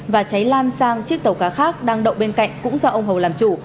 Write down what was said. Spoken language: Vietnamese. và cháy lan sang chiếc tàu cá khác đang đậu bên cạnh cũng do ông hầu làm chủ